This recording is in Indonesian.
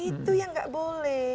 itu yang tidak boleh